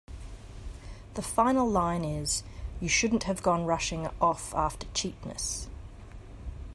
The final line is, "You shouldn't have gone rushing off after cheapness.